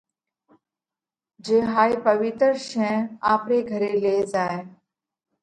جي هائي پوَيِتر شين آپري گھري لي زائہ۔